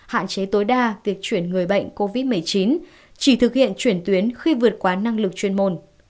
hạn chế tối đa việc chuyển người bệnh covid một mươi chín chỉ thực hiện chuyển tuyến khi vượt quá năng lực chuyên môn